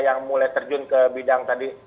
yang mulai terjun ke bidang tadi